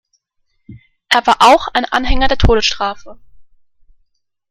Er war auch ein Anhänger der Todesstrafe.